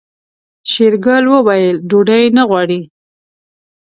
شېرګل وويل ډوډۍ نه غواړي.